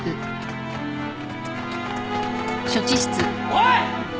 おい！